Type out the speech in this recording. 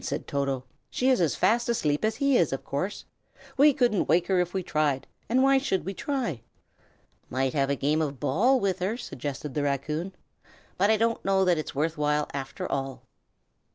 said Toto, "she is as fast asleep as he is, of course. We couldn't wake her if we tried, and why should we try?" "Might have a game of ball with her," suggested the raccoon. "But I don't know that it's worth while, after all."